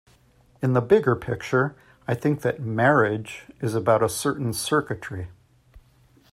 In the bigger picture, I think that 'marriage' is about a certain circuitry.